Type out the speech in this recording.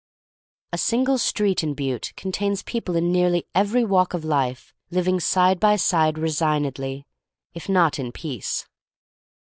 A single street in Butte contains people in nearly every walk of life — liv ing side by side resignedly, if not in peace.